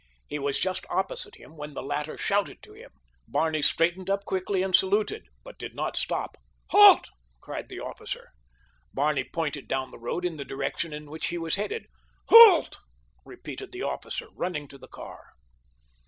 He was just opposite him when the latter shouted to him. Barney straightened up quickly and saluted, but did not stop. "Halt!" cried the officer. Barney pointed down the road in the direction in which he was headed. "Halt!" repeated the officer, running to the car.